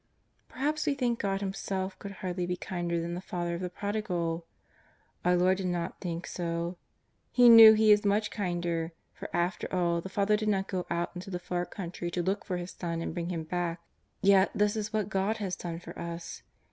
Perhaps we think God Himself could hardly be kinder than the father of the prodigal ? Our Lord did not think i j ; He knew He is much kinder, for after all the father did not go out into the far country to look for his son and bring him back. Yet this is what God has done for us.